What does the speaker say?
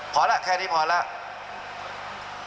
พอแล้วแค่นี้พอแล้ว